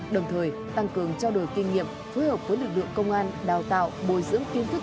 đồng thời tăng cường trao đổi kinh nghiệm phối hợp với lực lượng công an đào tạo bồi dưỡng kiến thức